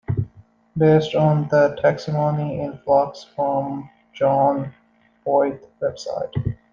Based on the "Taxonomy in Flux" from John Boyd's website.